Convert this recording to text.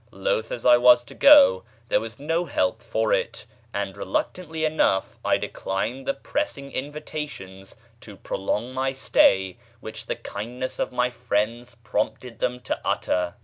Loath as I was to go, there was no help for it; and reluctantly enough I declined the pressing invitations to prolong my stay which the kindness of my friends prompted them to utter.